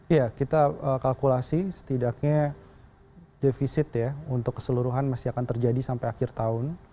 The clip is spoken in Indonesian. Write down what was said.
iya kita kalkulasi setidaknya defisit ya untuk keseluruhan masih akan terjadi sampai akhir tahun